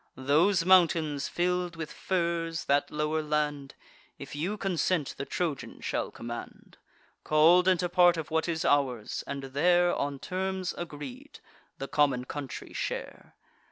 Those mountains fill'd with firs, that lower land, If you consent, the Trojan shall command, Call'd into part of what is ours; and there, On terms agreed, the common country share.